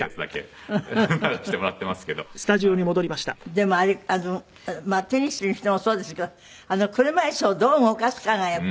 でもテニスにしてもそうですけど車いすをどう動かすかがやっぱり大きい事でしょ？